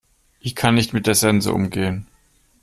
Ich kann nicht mit der Sense umgehen.